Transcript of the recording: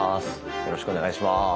よろしくお願いします。